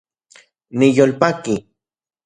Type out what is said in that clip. Niyolpaki